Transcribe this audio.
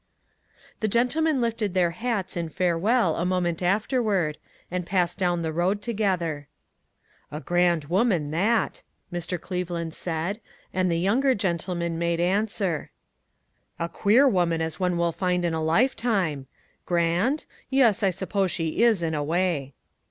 The gentlemen lifted their hats in fare well a moment afterward, and passed down the road together. "A grand woman, that!" Mr. Cleveland said, and the younger gentleman made an swer: STEP BY STEP. 45 " A queer woman as one will find in a lifetime! Grand? Yes; I suppose she is in a way."